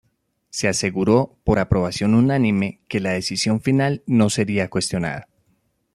Se aseguró por aprobación unánime que la decisión final no sería cuestionada.